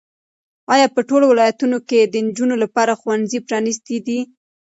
ایا په ټولو ولایتونو کې د نجونو لپاره ښوونځي پرانیستي دي؟